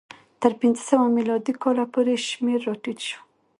تر پنځه سوه میلادي کاله پورې شمېر راټیټ شو.